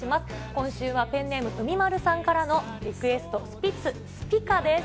今週はペンネーム、うみまるさんからのリクエスト、スピッツ、スピカです。